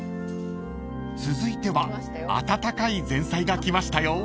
［続いては温かい前菜が来ましたよ］